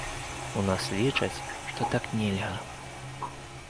У нас лічаць, што так нельга.